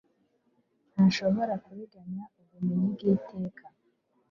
Ntashobora kuriganya ubumenyi bwiteka